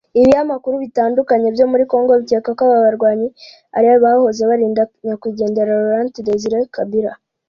Ibiyamakuru bitandukanye byo muri Congo bikeka ko aba barwanyi ari abahoze barinda nyakwigendera Laurent Desire Kabila